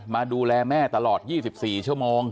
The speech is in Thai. มาดูแลแม่ตลอด๒๔ชั่วโมง